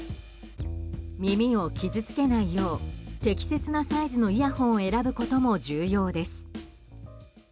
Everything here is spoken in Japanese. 耳を傷つけないよう適切なサイズのイヤホンを選ぶことも重要です。